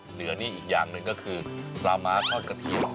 เหนือนี่อีกอย่างหนึ่งก็คือปลาม้าทอดกระเทียม